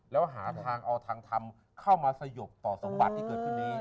แล้วหาทางเอาทางทำเข้ามาสยบต่อสมบัติที่เกิดขึ้นนี้